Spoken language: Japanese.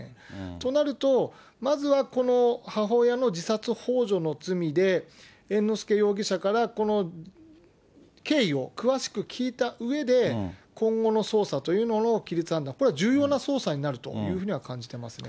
となると、まずはこの母親の自殺ほう助の罪で、猿之助容疑者から、この経緯を詳しく聞いたうえで、今後の捜査というののきりつ判断、これは重要な捜査になるというふうに感じてますね。